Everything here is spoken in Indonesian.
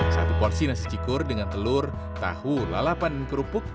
satu porsi nasi cikur dengan telur tahu lalapan dan kerupuk